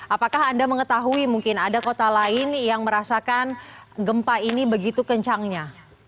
apakah anda mengetahui mungkin ada kota lain yang merasakan gempa ini begitu kencangnya